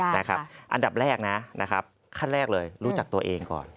ได้ค่ะนะครับอันดับแรกนะขั้นแรกเลยรู้จักตัวเองก่อน